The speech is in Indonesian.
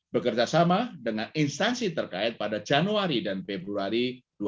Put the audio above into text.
bekerjasama dengan instansi terkait pada januari dan februari dua ribu dua puluh